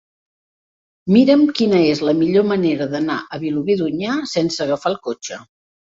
Mira'm quina és la millor manera d'anar a Vilobí d'Onyar sense agafar el cotxe.